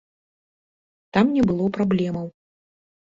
Там не было праблемаў.